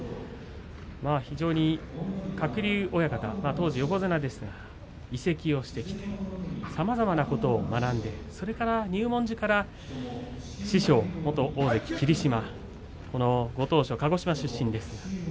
非常に鶴竜親方、当時横綱ですが移籍してきてさまざまなことを学んで入門時から師匠、元大関霧島ご当所、鹿児島出身です。